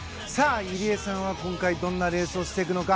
入江さんは今回どんなレースをしてくれるのか。